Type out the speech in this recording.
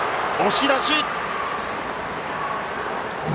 押し出し！